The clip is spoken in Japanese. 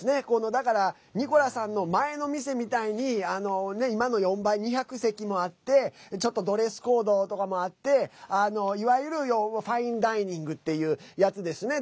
だから、ニコラさんの前の店みたいに今の４倍、２００席もあってちょっとドレスコードとかもあっていわゆるファインダイニングっていうやつですね。